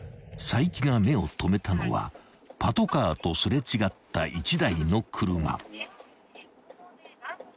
［齋木が目を留めたのはパトカーと擦れ違った１台の車］